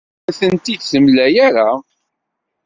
Ur awen-tent-id-temla ara.